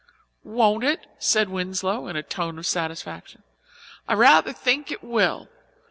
"Won't it?" said Winslow in a tone of satisfaction. "I rather think it will.